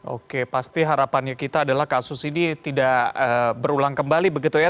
oke pasti harapannya kita adalah kasus ini tidak berulang kembali begitu ya